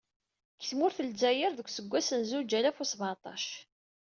Deg tmurt n Lezzayer deg useggas n zuǧ alaf u seεṭac..